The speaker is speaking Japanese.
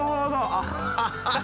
アハハハ！